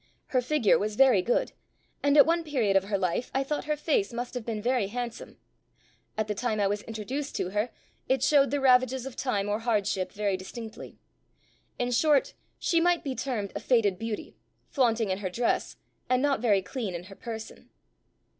Her figure was very good, and at one period of her life I thought her face must have been very handsome; at the time I was introduced to her, it showed the ravages of time or hardship very distinctly; in short, she might be termed a faded beauty, flaunting in her dress, and not very clean in her person.